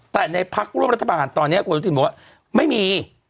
แต่ในพักร่วมรัฐบาลตอนนี้คุณอนุทินบอกว่าไม่มี